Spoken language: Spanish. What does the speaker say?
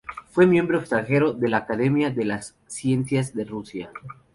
Fue miembro extranjero de la Academia de las Ciencias de Rusia.